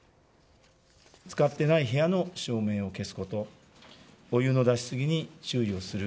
使ってない部屋の照明を消すこと、お湯の出し過ぎに注意をする。